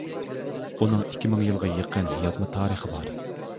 ئۇنىڭ ئىككى مىڭ يىلغا يېقىن يازما تارىخى بار.